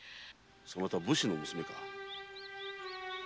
そなた武士の娘か？